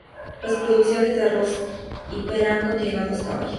Las producciones de arroz y pera han continuado hasta hoy.